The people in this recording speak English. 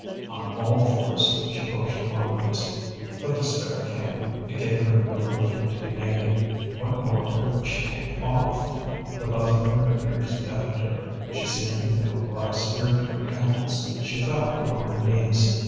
On all fours she pushed onwards. But despair came; it gave her no relief to be naked. What more could she take off? The buzzing in her ears deafened her, she seemed to feel a vice gripping her temples. She fell on her knees.